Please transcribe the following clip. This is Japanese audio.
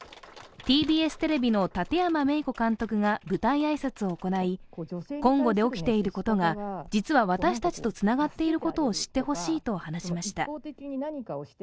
ＴＢＳテレビの立山芽以子監督が舞台挨拶を行いコンゴで起きていることが実は私たちとつながっていることを知ってほしいと話しました。